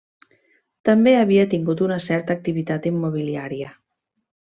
També havia tingut una certa activitat immobiliària.